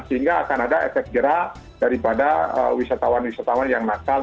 sehingga akan ada efek gerak daripada wisatawan wisatawan yang nasal